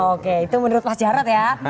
oke itu menurut pak jarad ya